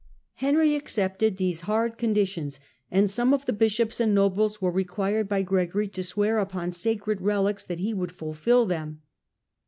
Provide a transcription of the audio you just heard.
Henry accepted these hard conditions, and some of the bishops and nobles were required by Gregory to swear upon sacred relics that he would fulfil them.